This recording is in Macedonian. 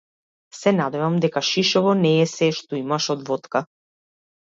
Се надевам дека шишево не е сѐ што имаш од водка.